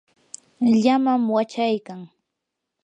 llamam wachaykan.